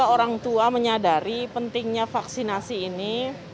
orang tua menyadari pentingnya vaksinasi ini